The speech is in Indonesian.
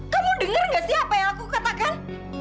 kamu dengar gak sih apa yang aku katakan